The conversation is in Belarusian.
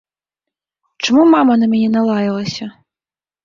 Чаму мама на мяне налаялася?